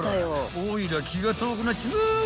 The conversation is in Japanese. おいら気が遠くなっちまう］